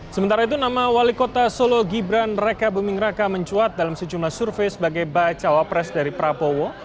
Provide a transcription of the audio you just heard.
sementara itu nama wali kota solo gibran reka buming raka mencuat dalam sejumlah survei sebagai bacawa pres dari prabowo